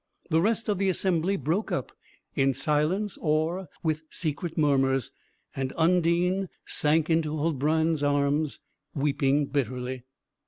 The rest of the assembly broke up, in silence or with secret murmurs, and Undine sank into Huldbrand's arms, weeping bitterly.